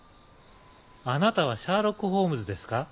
あなたはシャーロック・ホームズですか？